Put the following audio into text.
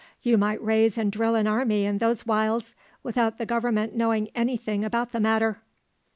You might raise and drill an army in those wilds without the Government knowing any thing about the matter."